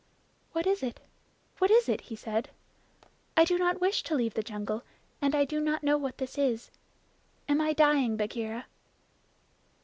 "What is it? What is it?" he said. "I do not wish to leave the jungle, and I do not know what this is. Am I dying, Bagheera?"